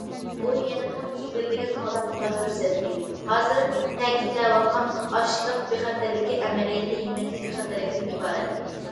ئۇ يەنىمۇ ئىلگىرىلىگەن ھالدا مۇنداق كۆرسەتتى:« ھازىر تەكىتلەۋاتقان ئاشلىق بىخەتەرلىكى ئەمەلىيەتتە يېمەكلىك بىخەتەرلىكىدىن ئىبارەت».